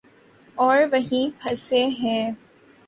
اوروہیں پھنسے ہیں۔